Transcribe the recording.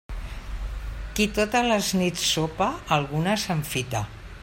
Qui totes les nits sopa, alguna s'enfita.